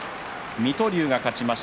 水戸龍が勝ちました。